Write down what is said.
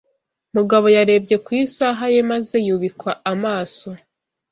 Mugabo yarebye ku isaha ye, maze yubika amaso.